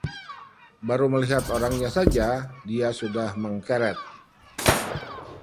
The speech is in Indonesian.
baru melihat orangnya saja dia sudah mengkeret